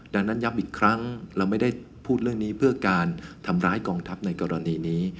ดังนั้นย้ำอีกครั้งเราไม่ได้พูดเรื่องนี้เพื่อการทำร้ายกองทัพในกรณีนี้